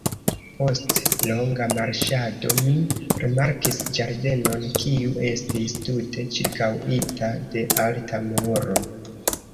Post longa marŝado mi rimarkis ĝardenon, kiu estis tute ĉirkaŭita de alta muro.